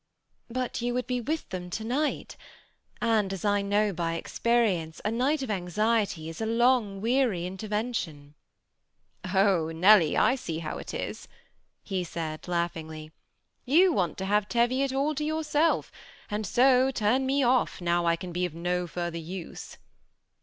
'^But you would be with them to night, and, as I know by experience, a night of anxiety is a long, weary intervention." ^ Oh ! Nelly, I see how it is," he said, laughingly. THE SEMI ATTACHED COUPLE. 817 " You want to have Teviot all to yourself, and so turn me off, now I can be of no further use."